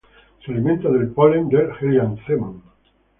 Se alimenta del polen de "Helianthemum".